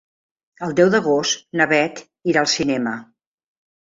El deu d'agost na Beth irà al cinema.